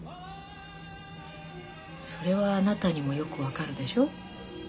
それはあなたにもよく分かるでしょ？